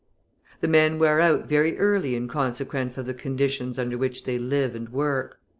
The men wear out very early in consequence of the conditions under which they live and work.